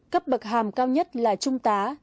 cấp bậc hàm cao nhất là trung tá